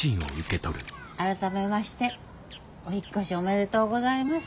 改めましてお引っ越しおめでとうございます。